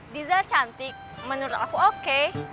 diza cantik menurut aku oke